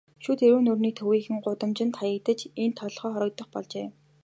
Шүд эрүү нүүрний төвийнхөн гудамжинд хаягдаж, энд толгой хоргодох болжээ.